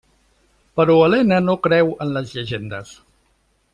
Però Elena no creu en les llegendes.